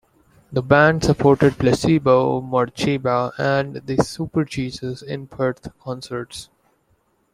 The band supported Placebo, Morcheeba, and The Superjesus in Perth concerts.